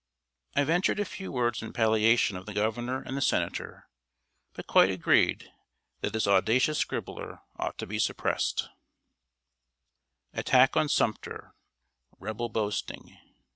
I ventured a few words in palliation of the Governor and the Senator, but quite agreed that this audacious scribbler ought to be suppressed. [Sidenote: ATTACK ON SUMTER REBEL BOASTING.